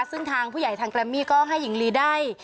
ซึ่งทางผู้ใหญ่ทางแรมมี่ก็ให้หญิงลีได้